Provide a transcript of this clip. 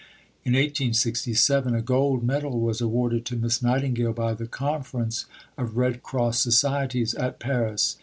In 1867 a gold medal was awarded to Miss Nightingale by the Conference of Red Cross Societies at Paris.